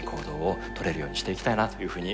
とれるようにしていきたいなというふうに思っています。